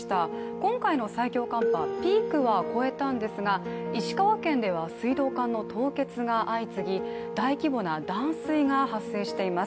今回の最強寒波、ピークは越えたんですが石川県では水道管の凍結が相次ぎ大規模な断水が発生しています。